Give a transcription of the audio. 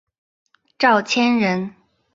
赵谦人。